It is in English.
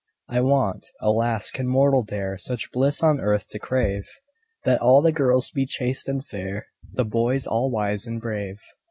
I want (alas! can mortal dare Such bliss on earth to crave?) That all the girls be chaste and fair, The boys all wise and brave.